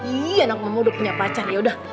iya anak memuduk punya pacar yaudah